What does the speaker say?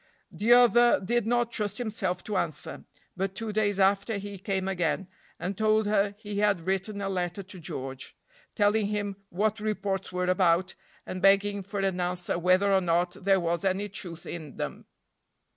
The other did not trust himself to answer. But two days after he came again, and told her he had written a letter to George, telling him what reports were about, and begging for an answer whether or not there was any truth in them.